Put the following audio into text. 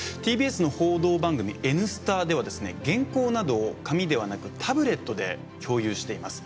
ＴＢＳの報道番組「Ｎスタ」ではですね原稿などを紙ではなくタブレットで共有しています。